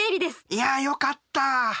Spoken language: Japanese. いやよかった！